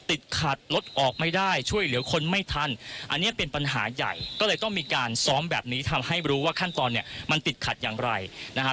ติดขัดรถออกไม่ได้ช่วยเหลือคนไม่ทันอันนี้เป็นปัญหาใหญ่ก็เลยต้องมีการซ้อมแบบนี้ทำให้รู้ว่าขั้นตอนเนี่ยมันติดขัดอย่างไรนะฮะ